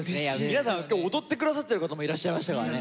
皆さん今日踊って下さってる方もいらっしゃいましたからね。